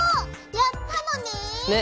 やったのね。ね！